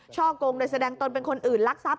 ช่องลงโดยแสดงตนเป็นคนอื่นรักทราบ